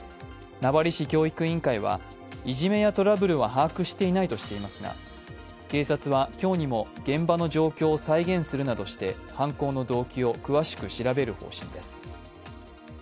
名張市教育委員会はいじめやトラブルは把握していないとしていますが、警察は今日にも現場の状況を再現するなどして犯行の動機を詳しく調べる方針です。